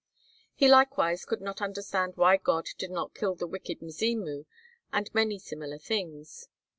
He likewise could not understand why God did not kill the wicked "Mzimu," and many similar things.